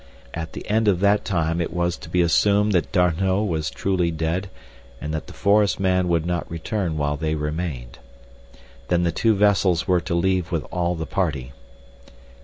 At the end of that time it was to be assumed that D'Arnot was truly dead, and that the forest man would not return while they remained. Then the two vessels were to leave with all the party.